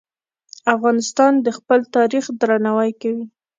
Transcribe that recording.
افغانستان د خپل تاریخ درناوی کوي.